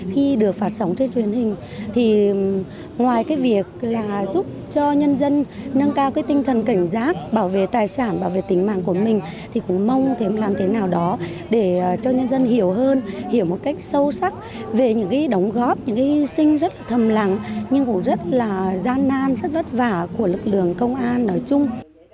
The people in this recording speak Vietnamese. khi được phát sóng trên truyền hình thì ngoài cái việc là giúp cho nhân dân nâng cao cái tinh thần cảnh giác bảo vệ tài sản bảo vệ tính mạng của mình thì cũng mong làm thế nào đó để cho nhân dân hiểu hơn hiểu một cách sâu sắc về những cái đóng góp những cái sinh rất là thầm lặng nhưng cũng rất là gian nan rất vất vả của lực lượng công an nói chung